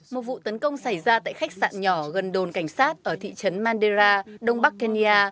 một vụ tấn công xảy ra tại khách sạn nhỏ gần đồn cảnh sát ở thị trấn mandera đông bắc kenya